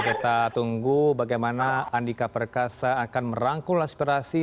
kita tunggu bagaimana andika perkasa akan merangkul aspirasi